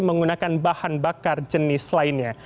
menggunakan bahan bakar jenis lainnya